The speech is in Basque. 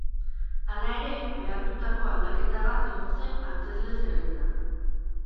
Hala ere, behartutako aldaketa bat egon zen antzezle-zerrendan.